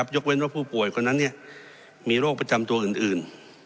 ยกเว้นว่าผู้ป่วยคนนั้นมีโรคประจำตัวอื่น